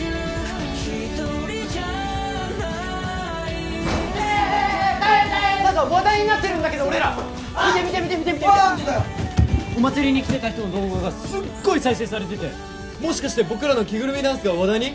何か話題になってるんだけど俺ら見て見て見て見てお祭りに来てた人の動画がすっごい再生されててもしかして僕らの着ぐるみダンスが話題に？